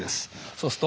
そうすると。